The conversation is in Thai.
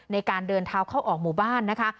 ในการเดินเท้าเข้าออกหมู่บ้านนะคะ